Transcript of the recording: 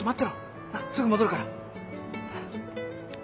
なっすぐ戻るから。